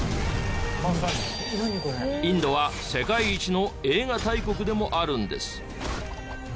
インドは世界一の映画大国でもあるんです。